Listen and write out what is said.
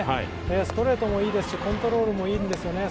ストレートもいいですしコントロールもいいんですよね。